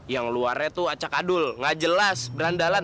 yang luarnya tuh acak adul gak jelas berandalan